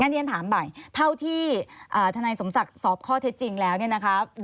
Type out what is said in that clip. เรียนถามใหม่เท่าที่ทนายสมศักดิ์สอบข้อเท็จจริงแล้วเนี่ยนะคะ